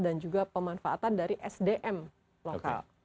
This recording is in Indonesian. dan juga pemanfaatan dari sdm lokal